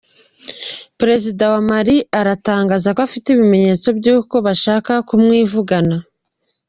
Perezida wa Malawi aratangaza ko afite ibimenyetso by’uko bashaka kumwivugana